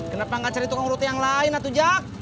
kenapa gak cari tukang urut yang lain atu jak